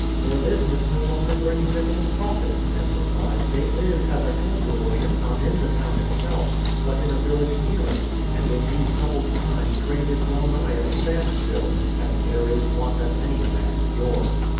"Their business no longer brings them in profit," Ned replied. "They lived, as I told your worship, not in the town itself, but in a village near it, and in these troubled times trade is well nigh at a standstill, and there is want at many a man's door."